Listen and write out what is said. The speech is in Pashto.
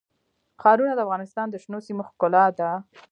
ښارونه د افغانستان د شنو سیمو ښکلا ده.